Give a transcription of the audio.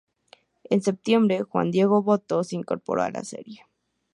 En septiembre, Juan Diego Botto se incorporó a la serie.